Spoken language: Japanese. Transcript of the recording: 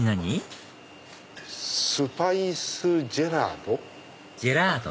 「スパイスジェラート」？